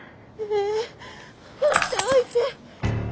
ええ放っておいて。